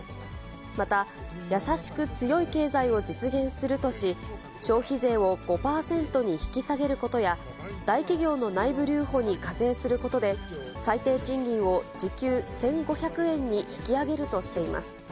また、やさしく強い経済を実現するとし、消費税を５％に引き下げることや、大企業の内部留保に課税することで、最低賃金を時給１５００円に引き上げるとしています。